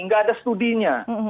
tidak ada studinya